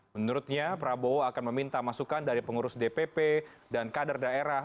menurutnya prabowo akan meminta masukan dari pengurus dpp dan kader daerah